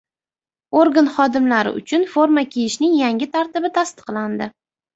Organ xodimlari uchun forma kiyishning yangi tartibi tasdiqlandi